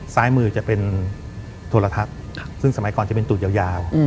ซ้ายมือจะเป็นโทรทัศน์ซึ่งสมัยก่อนจะเป็นตูดยาว